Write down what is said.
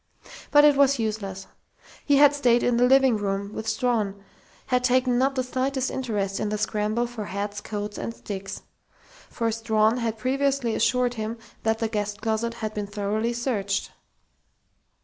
But it was useless. He had stayed in the living room with Strawn, had taken not the slightest interest in the scramble for hats, coats and sticks. For Strawn had previously assured him that the guest closet had been thoroughly searched.